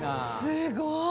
すごい。